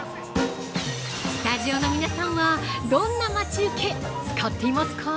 スタジオの皆さんはどんな待ち受け使っていますか？